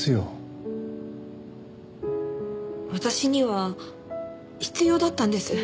私には必要だったんです。